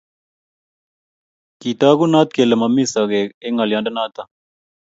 kitokunot kele momi sakee eng ng'oliondenoto